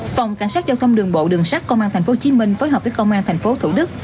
phòng cảnh sát giao thông đường bộ đường sát công an tp hcm phối hợp với công an tp thủ đức